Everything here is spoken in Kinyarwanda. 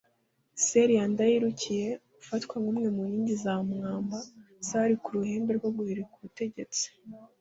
Cyrille Ndayirukiye ufatwa nk’umwe mu nkingi za mwamba zari ku ruhembe rwo guhirika ubutegetsi